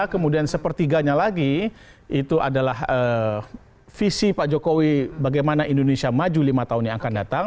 kemudian sepertiganya lagi itu adalah visi pak jokowi bagaimana indonesia maju lima tahun yang akan datang